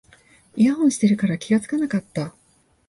イヤホンしてるから気がつかなかった